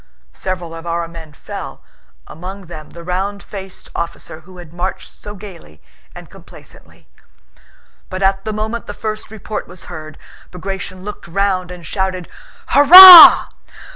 Several of our men fell, among them the round faced officer who had marched so gaily and complacently. But at the moment the first report was heard, Bagratión looked round and shouted, "Hurrah!"